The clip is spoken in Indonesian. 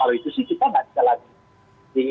kalau itu sih kita nggak bisa lagi